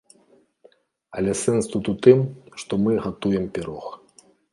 Але сэнс тут у тым, што мы гатуем пірог.